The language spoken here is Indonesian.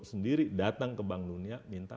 sendiri datang ke bank dunia minta